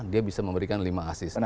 dia bisa memberikan lima asisten